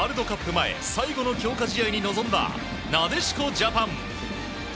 前最後の強化試合に臨んだなでしこジャパン。